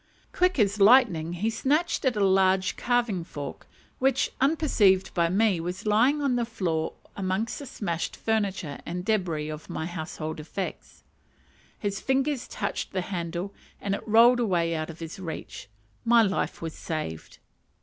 Quick as lightning, he snatched at a large carving fork, which, unperceived by me, was lying on the floor amongst the smashed furniture and débris of my household effects; his fingers touched the handle and it rolled away out of his reach: my life was saved.